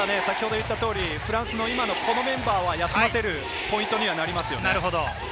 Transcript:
ただ先程言った通り、フランスのこのメンバーは休ませるポイントにはなりますよね。